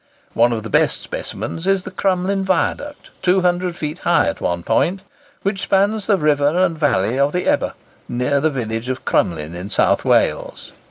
One of the best specimens is the Crumlin viaduct, 200 feet high at one point, which spans the river and valley of the Ebbw near the village of Crumlin in South Wales.